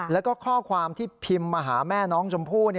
แล้วก็ข้อความที่พิมพ์มาหาแม่น้องชมพู่